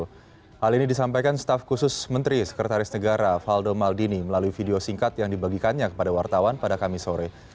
hal ini disampaikan staf khusus menteri sekretaris negara valdo maldini melalui video singkat yang dibagikannya kepada wartawan pada kamis sore